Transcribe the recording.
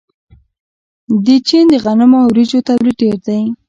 د چین د غنمو او وریجو تولید ډیر دی.